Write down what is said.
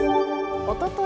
おととい